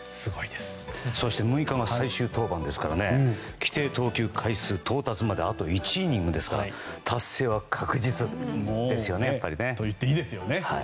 そして６日が最終登板ですから規定投球回数到達まであと１イニングですから達成は確実ですよね。